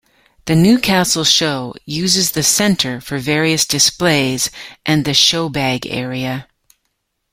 The Newcastle Show uses the Centre for various displays and the showbag area.